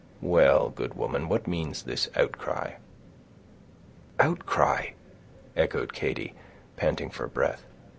Well, good woman, what means this outcry?" "Outcry!" echoed Katy, panting for breath.